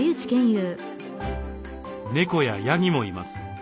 ネコやヤギもいます。